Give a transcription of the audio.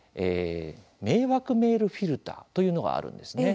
「迷惑メールフィルター」というのがあるんですね。